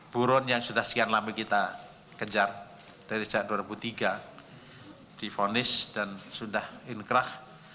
buron yang sudah sekian lama kita kejar dari sejak dua ribu tiga difonis dan sudah inkrah